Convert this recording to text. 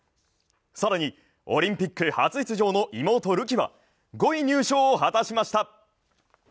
更にオリンピック初出場の妹・るきは５位入賞を果たしました。